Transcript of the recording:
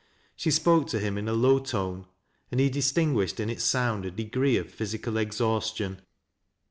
She spoke to him in a low tone, and he distinguished in its sound a degree oJ physical exhaustion.